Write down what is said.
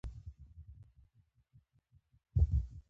تر خپلواکۍ وروسته یې پرانیستي بنسټونه رامنځته کړل.